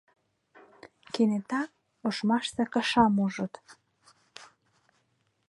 Кенета ошмаште кышам ужыт.